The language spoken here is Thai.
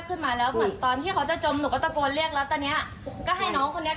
พ่อเลี้ยงเขาก็พูดว่าปล่อยให้จมน้ำตายไปเลยพูดอย่างงี้